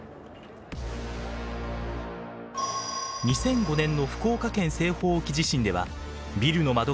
２００５年の福岡県西方沖地震ではビルの窓ガラスが割れて落下。